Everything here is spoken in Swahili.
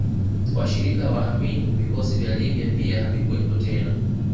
Washirika wa Amin vikosi vya Libya pia havikuwepo tena